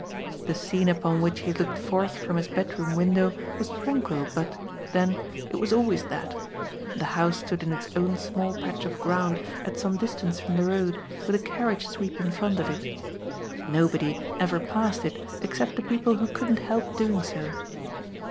The scene upon which he looked forth from his bedroom window was tranquil, but, then, it was always that. The house stood in its own small patch of ground, at some distance from the road, with a carriage sweep in front of it. Nobody ever passed it except the people who couldn't help doing so.